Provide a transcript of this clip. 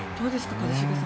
一茂さん。